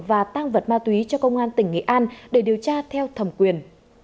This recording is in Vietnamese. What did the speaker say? và tăng vật ma túy cho công an tỉnh nghệ an để điều tra theo thẩm quyền